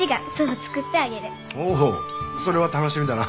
それは楽しみだな。